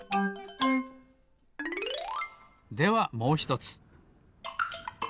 ではもうひとつ。